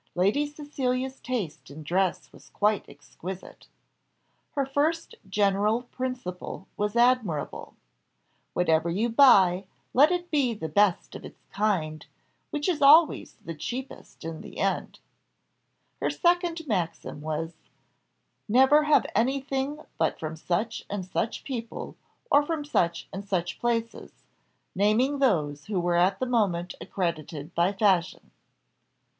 Lady Cecilia's taste in dress was exquisite. Her first general principle was admirable "Whatever you buy, let it be the best of its kind, which is always the cheapest in the end." Her second maxim was "Never have anything but from such and such people, or from such and such places," naming those who were at the moment accredited by fashion.